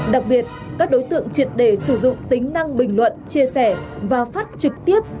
đặc biệt các đối tượng triệt đề sử dụng tính năng bình luận chia sẻ và phát trực tiếp